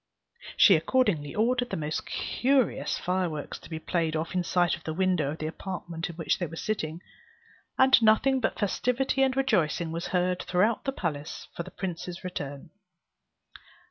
She accordingly ordered the most curious fireworks to be played off in sight of the window of the apartment in which they were sitting; and nothing but festivity and rejoicing was heard throughout the palace for the prince's return.